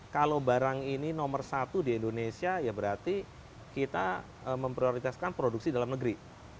kalau barang ini nomor satu di indonesia ya berarti kita memprioritaskan produksi dalam negeri